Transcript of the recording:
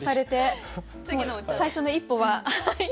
最初の一歩は。